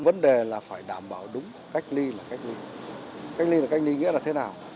vấn đề là phải đảm bảo đúng cách ly là cách ly cách ly là cách ly nghĩa là thế nào